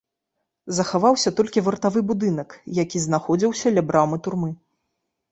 Захаваўся толькі вартавы будынак, які знаходзіўся ля брамы турмы.